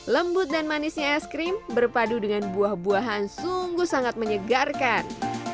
lembut dan manisnya es krim berpadu dengan buah buahan sungguh sangat menyegarkan